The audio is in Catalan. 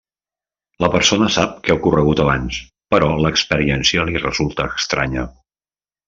La persona sap que ha ocorregut abans, però l'experiència li resulta estranya.